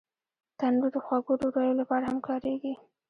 تنور د خوږو ډوډیو لپاره هم کارېږي